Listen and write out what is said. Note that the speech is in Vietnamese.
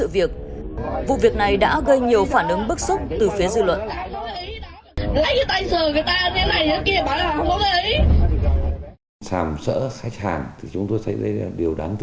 vụ việc này đã gây nhiều phản ứng bức xúc từ phía dư luận